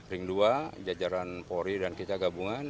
ring dua jajaran polri dan kita gabungan